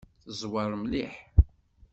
Teẓwer mliḥ.